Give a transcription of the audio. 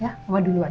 ya mama duluan